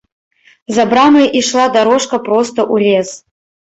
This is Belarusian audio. За брамай ішла дарожка проста ў лес.